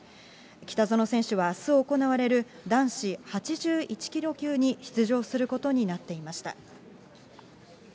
北薗選手はあす行われる男子８１キロ級に出場することになっていました。